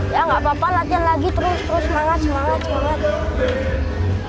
ya nggak apa apa latihan lagi terus terus semangat semangat